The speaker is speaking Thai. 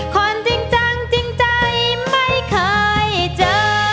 คนจริงจังจริงใจไม่เคยเจอ